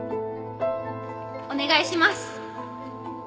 お願いします。